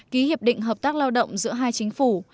ký hiệp định hợp tác lao động giữa hai chính phủ